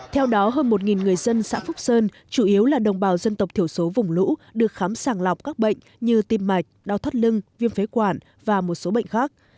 theo đó hơn một người dân xã phúc sơn chủ yếu là đồng bào dân tộc thiểu số vùng lũ được khám sàng lọc các bệnh như tim mạch đau thắt lưng viêm phế quản và một số bệnh khác